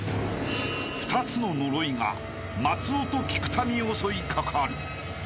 ２つの呪いが松尾と菊田に襲い掛かる］